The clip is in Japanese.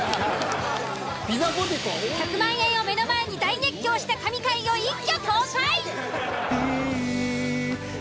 １００万円を目の前に大熱狂した神回を一挙公開！